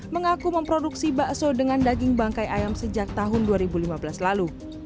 mengaku memproduksi bakso dengan daging bangkai ayam sejak tahun dua ribu lima belas lalu